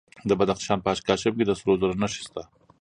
د بدخشان په اشکاشم کې د سرو زرو نښې شته.